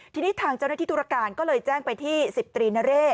ทีนี้ทางเจ้าหน้าที่ธุรการก็เลยแจ้งไปที่๑๐ตรีนเร่